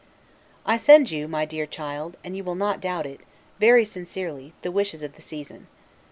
I send you, my dear child (and you will not doubt it), very sincerely, the wishes of the season.